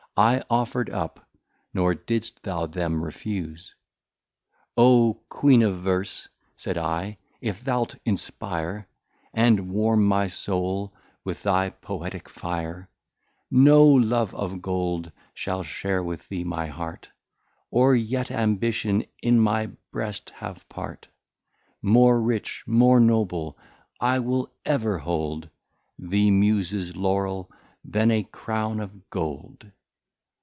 I offer'd up, nor didst thou them refuse. O Queen of Verse, said I, if thou'lt inspire, And warm my Soul with thy Poetique Fire, No Love of Gold shall share with thee my Heart, Or yet Ambition in my Brest have Part, More Rich, more Noble I will ever hold The Muses Laurel, than a Crown of Gold.